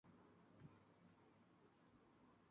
Trabaja por libre con su propio estudio.